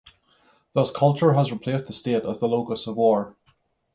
Thus, culture has replaced the state as the locus of war.